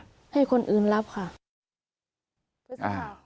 ให้คนอื่นรับค่ะ